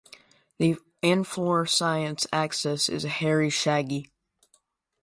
The inflorescence axis is hairy shaggy.